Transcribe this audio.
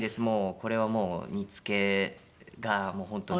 これはもう煮付けがもう本当に。